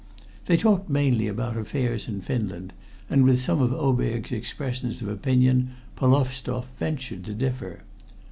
They talked mainly about affairs in Finland, and with some of Oberg's expressions of opinion Polovstoff ventured to differ.